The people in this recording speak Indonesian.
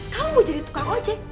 kamu jadi tukang ojek